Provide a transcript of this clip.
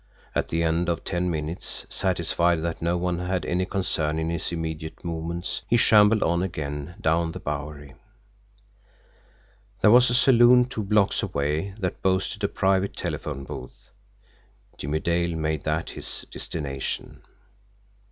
At the end of ten minutes, satisfied that no one had any concern in his immediate movements, he shambled on again down the Bowery. There was a saloon two blocks away that boasted a private telephone booth. Jimmie Dale made that his destination.